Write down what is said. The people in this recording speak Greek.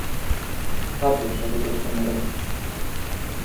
Ξάπλωσα δίπλα στο νερό.